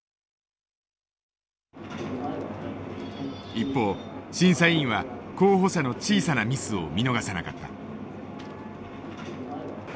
一方審査委員は候補者の小さなミスを見逃さなかった。